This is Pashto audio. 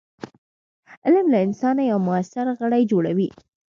علم له انسانه یو موثر غړی جوړوي.